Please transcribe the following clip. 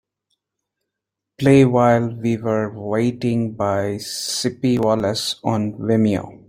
Play While We Were Waiting by Sippie Wallace on Vimeo